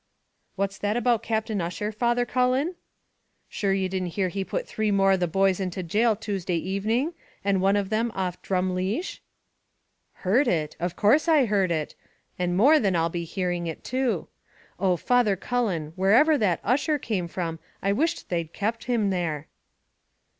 "What's that about Captain Ussher, Father Cullen?" "Shure didn't you hear he put three more of the boys into gaol Tuesday evening, and one of them off Drumleesh?" "Heard it! of course I heard it; and more than I'll be hearing it too. Oh, Father Cullen, wherever that Ussher came from, I wish they'd kept him there."